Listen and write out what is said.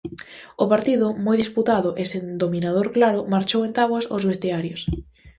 O partido, moi disputado e sen dominador claro, marchou en táboas aos vestiarios.